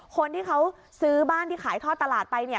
คนที่เขาซื้อบ้านที่ขายทอดตลาดไปเนี่ย